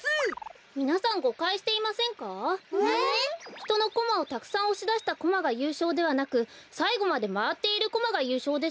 ひとのコマをたくさんおしだしたコマがゆうしょうではなくさいごまでまわっているコマがゆうしょうですよ？